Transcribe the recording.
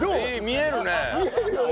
見えるよね？